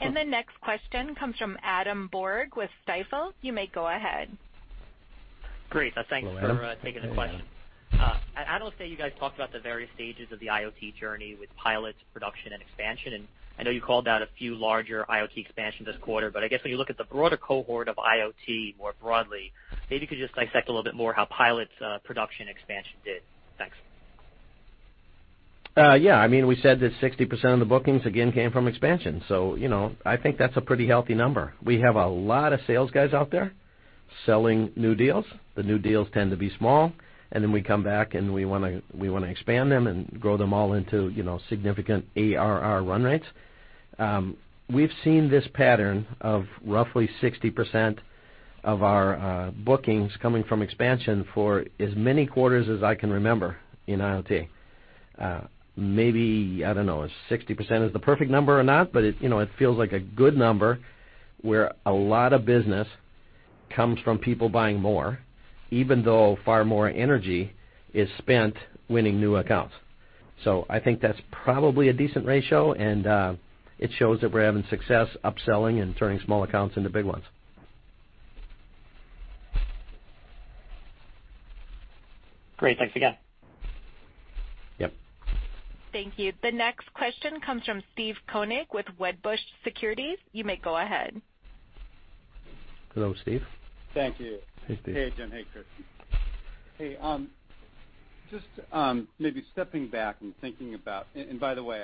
you. The next question comes from Adam Borg with Stifel. You may go ahead. Great. Thanks for taking the question. Go ahead. At analyst day, you guys talked about the various stages of the IoT journey with pilots, production, and expansion, and I know you called out a few larger IoT expansions this quarter, but I guess when you look at the broader cohort of IoT more broadly, maybe you could just dissect a little bit more how pilots, production, expansion did? Thanks. Yeah. We said that 60% of the bookings, again, came from expansion. I think that's a pretty healthy number. We have a lot of sales guys out there selling new deals. The new deals tend to be small, and then we come back, and we want to expand them and grow them all into significant ARR run rates. We've seen this pattern of roughly 60% of our bookings coming from expansion for as many quarters as I can remember in IoT. Maybe, I don't know, if 60% is the perfect number or not, but it feels like a good number where a lot of business comes from people buying more, even though far more energy is spent winning new accounts. I think that's probably a decent ratio, and it shows that we're having success upselling and turning small accounts into big ones. Great. Thanks again. Yep. Thank you. The next question comes from Steve Koenig with Wedbush Securities. You may go ahead. Hello, Steve. Thank you. Hey, Steve. Hey, Jim. Hey, Kristian. I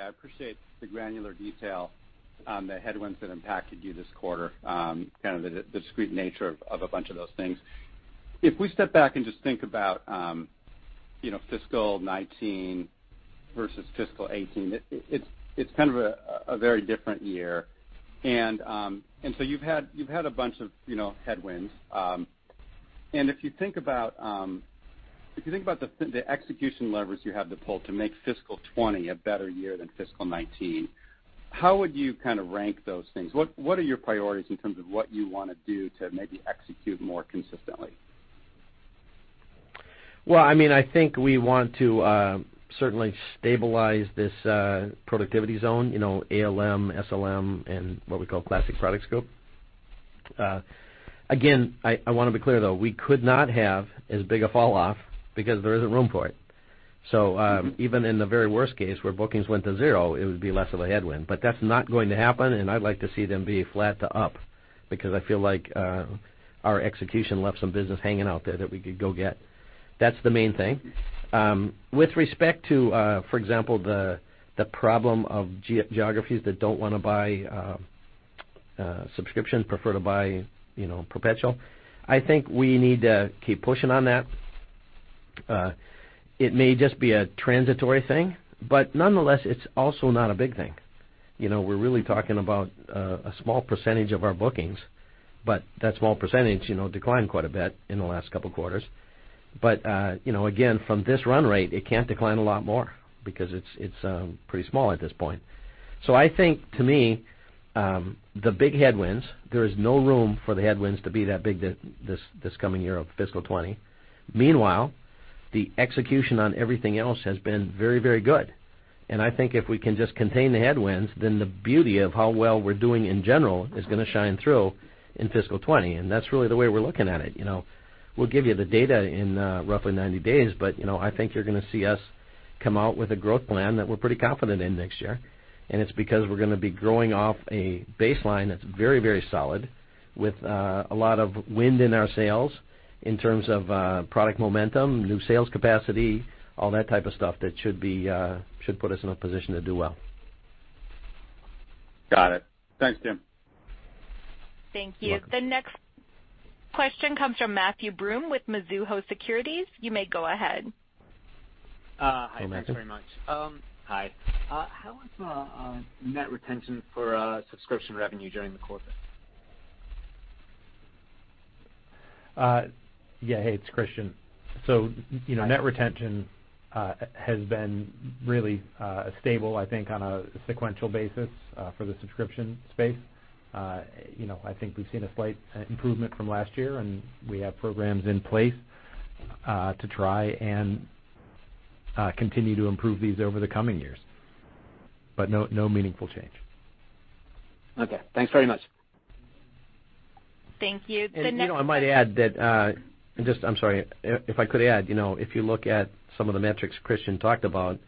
appreciate the granular detail on the headwinds that impacted you this quarter, kind of the discrete nature of a bunch of those things. If we step back and just think about fiscal 2019 versus fiscal 2018, it's kind of a very different year. You've had a bunch of headwinds. If you think about the execution levers you have to pull to make fiscal 2020 a better year than fiscal 2019, how would you kind of rank those things? What are your priorities in terms of what you want to do to maybe execute more consistently? Well, I think we want to certainly stabilize this productivity zone, ALM, SLM, and what we call classic product scope. Again, I want to be clear, though, we could not have as big a falloff because there isn't room for it. Even in the very worst case where bookings went to zero, it would be less of a headwind. That's not going to happen, and I'd like to see them be flat to up, because I feel like our execution left some business hanging out there that we could go get. That's the main thing. With respect to for example, the problem of geographies that don't want to buy subscription, prefer to buy perpetual, I think we need to keep pushing on that. It may just be a transitory thing, but nonetheless, it's also not a big thing. We're really talking about a small percentage of our bookings, but that small percentage declined quite a bit in the last couple of quarters. Again, from this run rate, it can't decline a lot more because it's pretty small at this point. I think to me, the big headwinds, there is no room for the headwinds to be that big this coming year of fiscal 2020. Meanwhile, the execution on everything else has been very good. I think if we can just contain the headwinds, then the beauty of how well we're doing in general is going to shine through in fiscal 2020. That's really the way we're looking at it. We'll give you the data in roughly 90 days, but I think you're going to see us come out with a growth plan that we're pretty confident in next year. It's because we're going to be growing off a baseline that's very solid with a lot of wind in our sails in terms of product momentum, new sales capacity, all that type of stuff that should put us in a position to do well. Got it. Thanks, Jim. Thank you. You're welcome. The next question comes from Matthew Broome with Mizuho Securities. You may go ahead. Go Matthew. Hi, thanks very much. Hi. How is net retention for subscription revenue during the quarter? Yeah. Hey, it's Kristian. Net retention has been really stable, I think, on a sequential basis for the subscription space. I think we've seen a slight improvement from last year, and we have programs in place to try and continue to improve these over the coming years. No meaningful change. Okay, thanks very much. Thank you. I'm sorry. If I could add, if you look at some of the metrics Kristian talked about,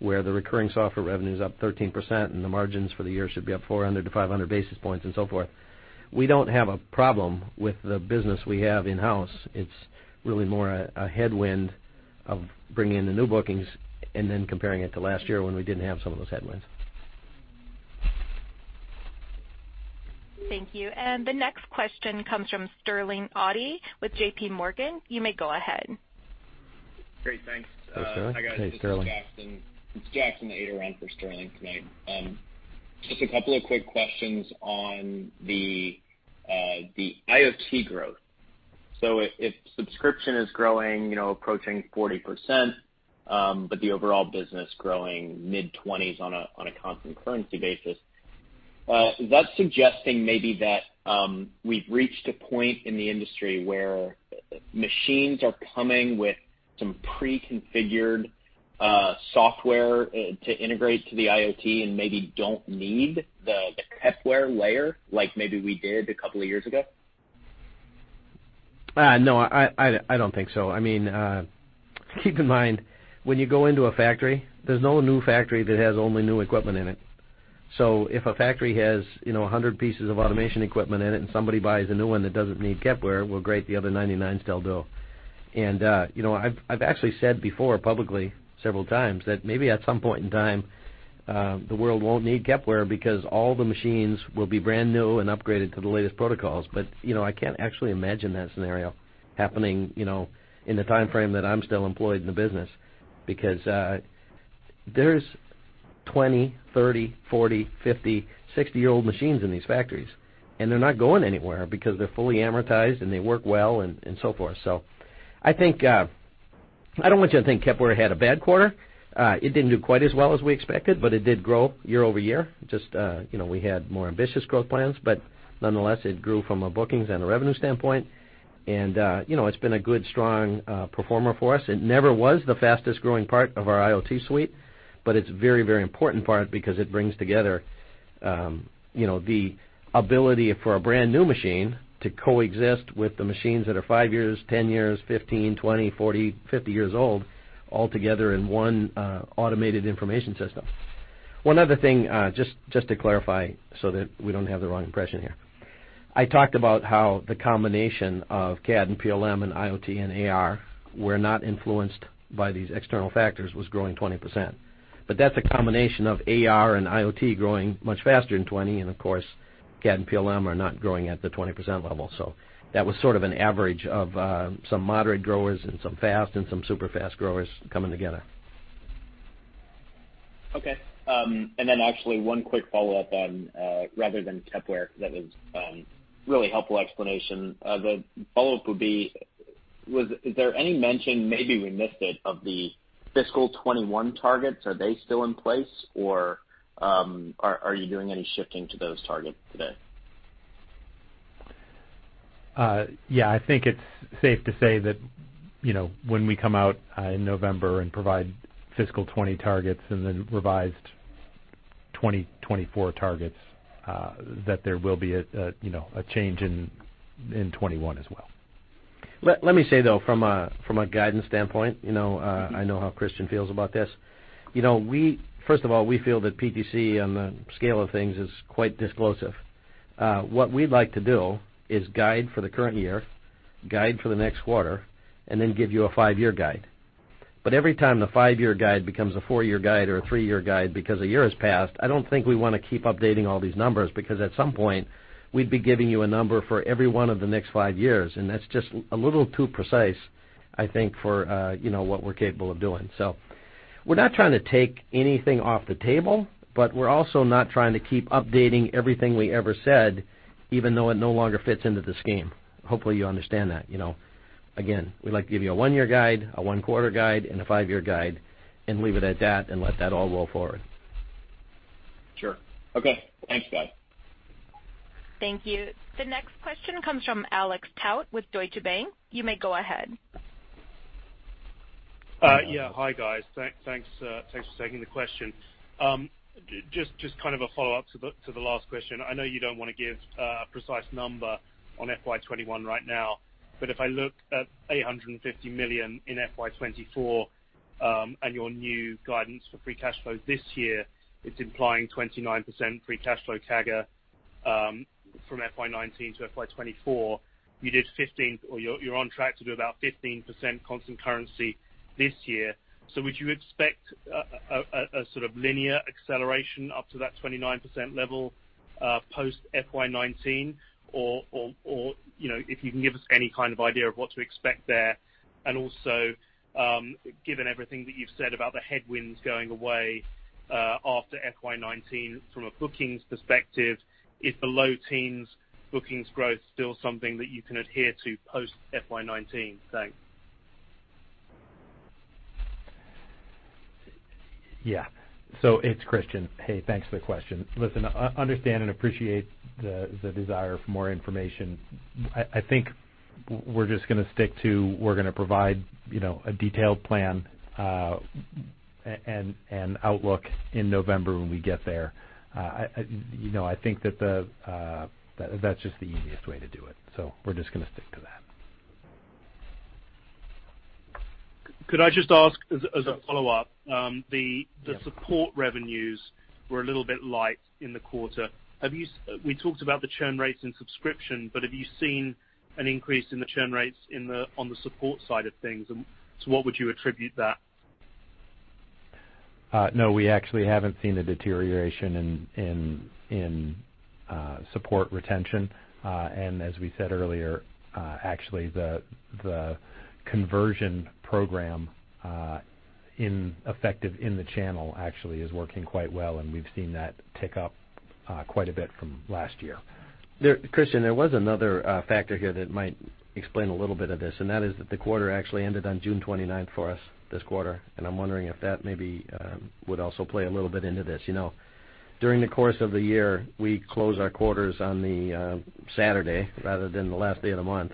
where the recurring software revenue's up 13% and the margins for the year should be up 400 to 500 basis points and so forth. We don't have a problem with the business we have in-house. It's really more a headwind of bringing in the new bookings and then comparing it to last year when we didn't have some of those headwinds. Thank you. The next question comes from Sterling Auty with JPMorgan. You may go ahead. Great, thanks. Hey, Sterling. Hi, guys. This is Jackson. It's Jackson Ader for Sterling tonight. Just a couple of quick questions on the IoT growth. If subscription is growing approaching 40%, but the overall business growing mid-20s on a constant currency basis, is that suggesting maybe that we've reached a point in the industry where machines are coming with some pre-configured software to integrate to the IoT and maybe don't need the Kepware layer, like maybe we did a couple of years ago? No, I don't think so. Keep in mind, when you go into a factory, there's no new factory that has only new equipment in it. If a factory has 100 pieces of automation equipment in it and somebody buys a new one that doesn't need Kepware, well, great, the other 99 still do. I've actually said before publicly several times that maybe at some point in time the world won't need Kepware because all the machines will be brand new and upgraded to the latest protocols. I can't actually imagine that scenario happening in the timeframe that I'm still employed in the business. Because there's 20, 30, 40, 50, 60-year-old machines in these factories, and they're not going anywhere because they're fully amortized and they work well and so forth. I don't want you to think Kepware had a bad quarter. It didn't do quite as well as we expected, but it did grow year-over-year. Just we had more ambitious growth plans, but nonetheless, it grew from a bookings and a revenue standpoint. It's been a good, strong performer for us. It never was the fastest-growing part of our IoT suite, but it's a very important part because it brings together the ability for a brand-new machine to coexist with the machines that are five years, 10 years, 15, 20, 40, 50 years old, all together in one automated information system. One other thing, just to clarify so that we don't have the wrong impression here. I talked about how the combination of CAD and PLM and IoT and AR were not influenced by these external factors, was growing 20%. That's a combination of AR and IoT growing much faster than 20, and of course, CAD and PLM are not growing at the 20% level. That was sort of an average of some moderate growers and some fast and some super fast growers coming together. Okay. Actually one quick follow-up on, rather than Tekla, that was really helpful explanation. The follow-up would be, is there any mention, maybe we missed it, of the fiscal 2021 targets? Are they still in place or are you doing any shifting to those targets today? Yeah, I think it's safe to say that when we come out in November and provide fiscal 2020 targets and then revised 2024 targets, that there will be a change in 2021 as well. Let me say, though, from a guidance standpoint, I know how Kristian feels about this. First of all, we feel that PTC, on the scale of things, is quite disclosive. What we'd like to do is guide for the current year, guide for the next quarter, give you a five-year guide. Every time the five-year guide becomes a four-year guide or a three-year guide because a year has passed, I don't think we want to keep updating all these numbers. At some point, we'd be giving you a number for every one of the next five years, that's just a little too precise, I think, for what we're capable of doing. We're not trying to take anything off the table, we're also not trying to keep updating everything we ever said, even though it no longer fits into the scheme. Hopefully, you understand that. We'd like to give you a one-year guide, a one-quarter guide, and a five-year guide and leave it at that and let that all roll forward. Sure. Okay. Thanks, guys. Thank you. The next question comes from Alex Tout with Deutsche Bank. You may go ahead. Hi guys. Thanks for taking the question. Just kind of a follow-up to the last question. I know you don't want to give a precise number on FY 2021 right now, but if I look at $850 million in FY 2024, and your new guidance for free cash flow this year, it's implying 29% free cash flow CAGR from FY 2019 to FY 2024. You're on track to do about 15% constant currency this year. Would you expect a sort of linear acceleration up to that 29% level, post FY 2019? If you can give us any kind of idea of what to expect there, and also, given everything that you've said about the headwinds going away after FY 2019 from a bookings perspective, is the low teens bookings growth still something that you can adhere to post FY 2019? Thanks. Yeah. It's Kristian. Hey, thanks for the question. Listen, understand and appreciate the desire for more information. I think we're just going to stick to we're going to provide a detailed plan, and outlook in November when we get there. I think that's just the easiest way to do it. We're just going to stick to that. Could I just ask as a follow-up? The support revenues were a little bit light in the quarter. We talked about the churn rates in subscription, have you seen an increase in the churn rates on the support side of things? To what would you attribute that? No, we actually haven't seen a deterioration in support retention. As we said earlier, actually, the conversion program effective in the channel actually is working quite well, and we've seen that tick up quite a bit from last year. Kristian, there was another factor here that might explain a little bit of this, that is that the quarter actually ended on June 29th for us this quarter, I'm wondering if that maybe would also play a little bit into this. During the course of the year, we close our quarters on the Saturday rather than the last day of the month.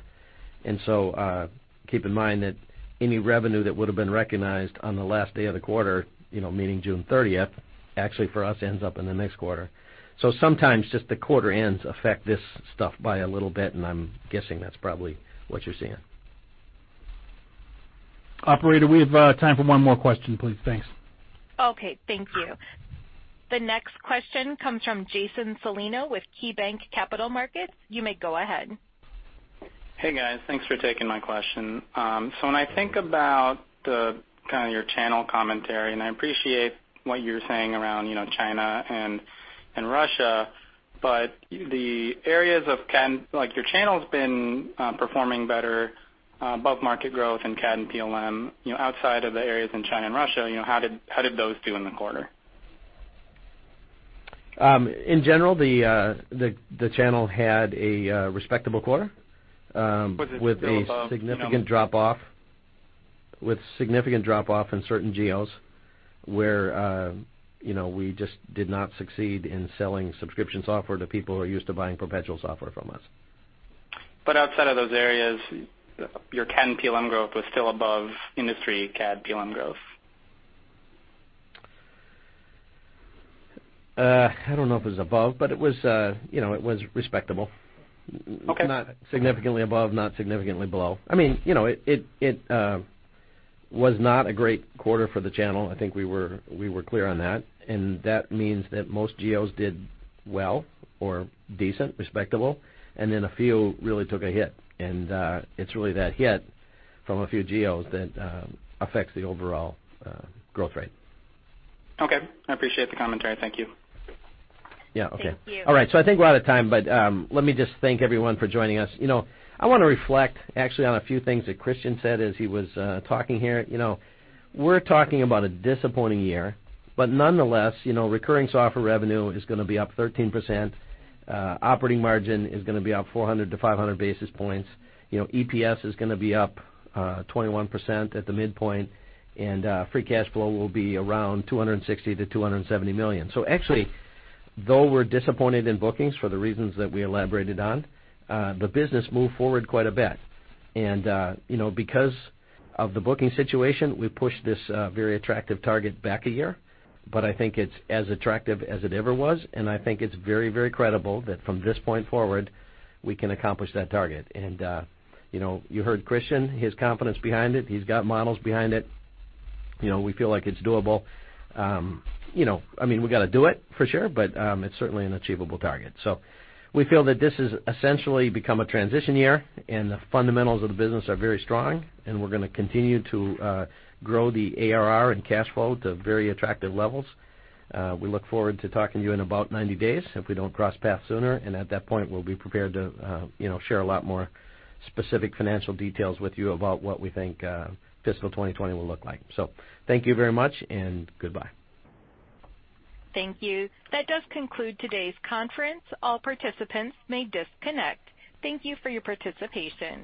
Keep in mind that any revenue that would've been recognized on the last day of the quarter, meaning June 30th, actually for us ends up in the next quarter. Sometimes just the quarter ends affect this stuff by a little bit, I'm guessing that's probably what you're seeing. Operator, we have time for one more question, please. Thanks. Okay. Thank you. The next question comes from Jason Celino with KeyBanc Capital Markets. You may go ahead. Hey guys. Thanks for taking my question. When I think about kind of your channel commentary, and I appreciate what you're saying around China and Russia, but your channel's been performing better above market growth in CAD and PLM outside of the areas in China and Russia, how did those do in the quarter? In general, the channel had a respectable quarter. Was it still above? With a significant drop off in certain geos where we just did not succeed in selling subscription software to people who are used to buying perpetual software from us. Outside of those areas, your CAD and PLM growth was still above industry CAD/PLM growth. I don't know if it was above, but it was respectable. Okay. Not significantly above, not significantly below. Was not a great quarter for the channel. I think we were clear on that. That means that most geos did well or decent, respectable, and then a few really took a hit. It's really that hit from a few geos that affects the overall growth rate. Okay. I appreciate the commentary. Thank you. Yeah. Okay. Thank you. All right. I think we're out of time, but let me just thank everyone for joining us. I want to reflect actually on a few things that Kristian said as he was talking here. We're talking about a disappointing year, but nonetheless, recurring software revenue is going to be up 13%. Operating margin is going to be up 400-500 basis points. EPS is going to be up 21% at the midpoint, and free cash flow will be around $260 million-$270 million. Actually, though we're disappointed in bookings for the reasons that we elaborated on, the business moved forward quite a bit. Because of the booking situation, we pushed this very attractive target back a year. I think it's as attractive as it ever was, and I think it's very, very credible that from this point forward, we can accomplish that target. You heard Kristian, his confidence behind it. He's got models behind it. We feel like it's doable. We've got to do it, for sure, but it's certainly an achievable target. We feel that this has essentially become a transition year, and the fundamentals of the business are very strong, and we're going to continue to grow the ARR and cash flow to very attractive levels. We look forward to talking to you in about 90 days if we don't cross paths sooner. At that point, we'll be prepared to share a lot more specific financial details with you about what we think fiscal 2020 will look like. Thank you very much, and goodbye. Thank you. That does conclude today's conference. All participants may disconnect. Thank you for your participation.